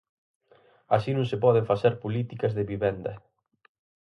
Así non se poden facer políticas de vivenda.